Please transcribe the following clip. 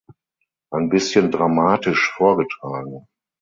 Ein bischen dramatisch vorgetragen.